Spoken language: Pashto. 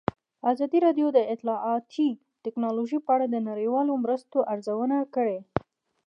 ازادي راډیو د اطلاعاتی تکنالوژي په اړه د نړیوالو مرستو ارزونه کړې.